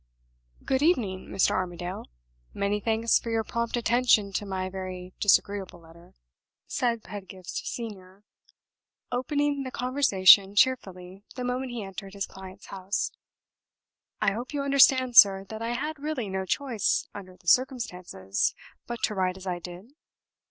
"Good evening, Mr. Armadale. Many thanks for your prompt attention to my very disagreeable letter," said Pedgift Senior, opening the conversation cheerfully the moment he entered his client's house. "I hope you understand, sir, that I had really no choice under the circumstances but to write as I did?"